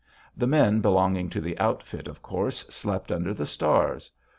The men belonging to the outfit, of course, slept under the stars.